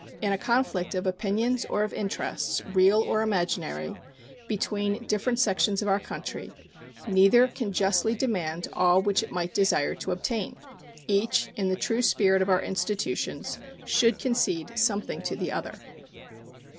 In a conflict of opinions or of interests, real or imaginary, between different sections of our country, neither can justly demand all which it might desire to obtain. Each, in the true spirit of our institutions, should concede something to the other.